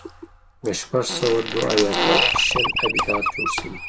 په شپږ سوه دوه اویا کال کې شل ابدات جوړ شوي.